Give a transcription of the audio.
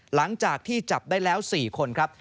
หลังจากที่จับได้แล้ว๔คนครับ